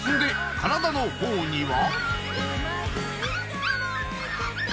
体の方には？